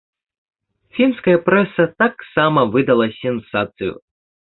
Фінская прэса таксама выдала сенсацыю.